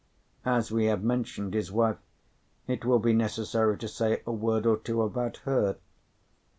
As we have mentioned his wife, it will be necessary to say a word or two about her.